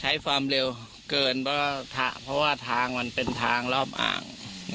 ใช้ความเร็วเกินเพราะว่าทางมันเป็นทางรอบอ่าง